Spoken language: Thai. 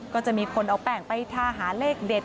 ก็จะมีคนเอาแป้งไปทาหาเลขเด็ด